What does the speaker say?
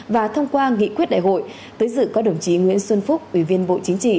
và thông qua nghị quyết đại hội tới dự có đồng chí nguyễn xuân phúc ủy viên bộ chính trị